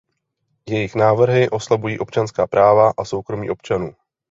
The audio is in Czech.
Jejich návrhy oslabují občanská práva a soukromí občanů.